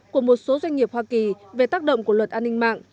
của một số doanh nghiệp hoa kỳ về tác động của luật an ninh mạng